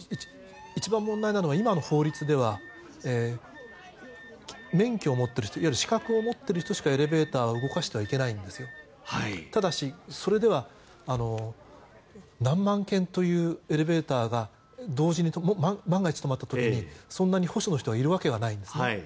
一番問題なのは今の法律では免許を持っている人いわゆる資格を持っている人しかエレベーターを動かしてはいけないんです。ただし、それでは何万件というエレベーターが同時に万が一止まった時にそんなに保守の人がいるわけではないんですね。